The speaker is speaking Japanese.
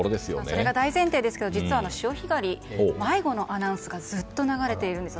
それが大前提ですけど実は潮干狩り迷子のアナウンスがずっと流れているんです。